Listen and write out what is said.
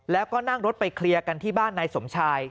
แล้วก็นั่งรถไปเคลียร์กันที่บ้านนายสมชาย